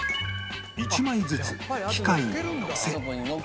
１枚ずつ機械にのせ